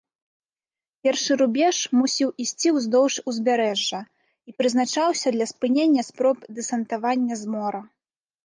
Першы рубеж мусіў ісці ўздоўж узбярэжжа і прызначаўся для спынення спроб дэсантавання з мора.